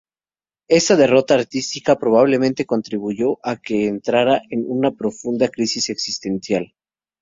Esta derrota artística probablemente contribuyó a que entrara en una profunda crisis existencial.